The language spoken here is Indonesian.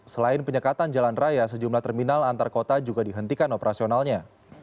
selain penyekatan jalan raya sejumlah terminal antar kota juga dihentikan operasionalnya